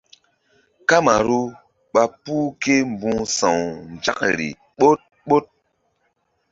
Kamaru ɓa puh ke mbu̧h sa̧w nzakri ɓoɗ ɓoɗ.